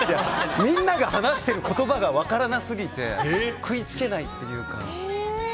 みんなが話してる言葉が分からなすぎて食いつけないっていうか。